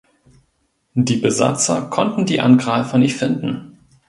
Die Besatzer konnten die Angreifer nicht finden.